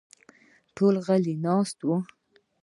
ټول غلي ناست وو.